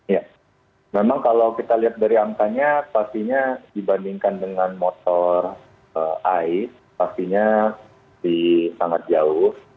ya memang kalau kita lihat dari angkanya pastinya dibandingkan dengan motor ai pastinya sangat jauh